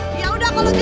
gua udah selesai